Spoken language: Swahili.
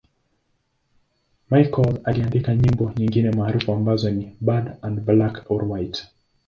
Michael aliandika nyimbo nyingine maarufu ambazo ni 'Bad' na 'Black or White'.